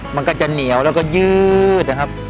มันก็จะเหนียวแล้วก็ยืดนะครับ